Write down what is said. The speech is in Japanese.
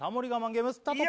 ゲームスタート